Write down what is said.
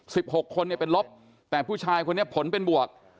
หกคนเนี่ยเป็นลบแต่ผู้ชายคนนี้ผลเป็นบวก